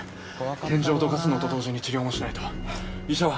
天井をどかすのと同時に治療もしないと医者は？